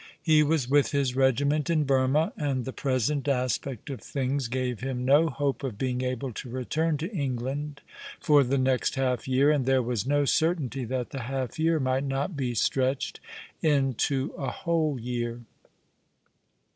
He was with his regiment in Burmah, and the present aspect of things gave him no hope of being able to return to England for the next half year, and there was no certainty that the half year might not be stretched into a whole year.